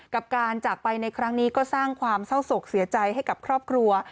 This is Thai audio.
กับการจากไปในครั้งนี้ก็สร้างความเศร้าศกเสียใจให้กับครอบครัว